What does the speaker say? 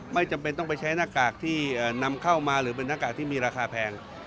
ไม่จำเป็นต้องไปใช้หน้ากากที่นำเข้ามาหรือเป็นหน้ากากที่มีราคาแพง